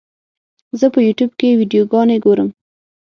زه په یوټیوب کې ویډیوګانې ګورم.